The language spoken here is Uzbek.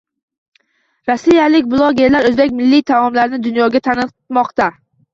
Rossiyalik blogerlar o‘zbek milliy taomlarini dunyoga tanitmoqda